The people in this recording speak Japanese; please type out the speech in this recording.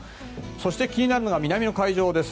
そして、気になるのが南の海上です。